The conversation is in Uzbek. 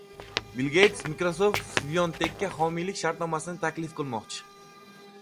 Bill Geyts: "Microsoft Svyontekka homiylik shartnomasini taklif qilmoqchi..."